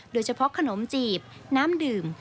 โดยเฉพาะขนมจีบน้ำดื่ม